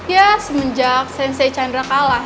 ya semenjak sensai chandra kalah